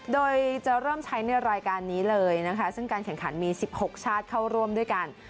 โดยจะเริ่มใช้ในรายการนี้เลยนะคะซึ่งการแข่งขันมี๑๖ชาติเข้าร่วมด้วยกัน